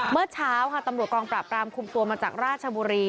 เมื่อเช้าค่ะตำรวจกองปราบรามคุมตัวมาจากราชบุรี